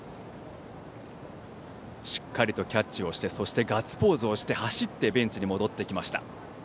しっかりとキャッチをしてそしてガッツポーズをして走ってベンチに戻ってきました。